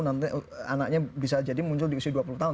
nanti anaknya bisa jadi muncul di usia dua puluh tahun